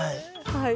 はい。